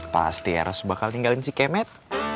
pasti ya res bakal tinggalin si kemet